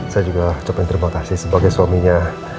saya juga coba interpokasi sebagai suaminya